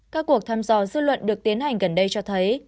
các cuộc thăm dò dư luận được tiến hành gần đây cho thấy